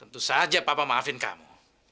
tentu saja papa maafin kamu